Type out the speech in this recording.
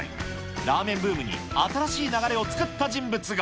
ラーメンブームに新しい流れを作った人物が。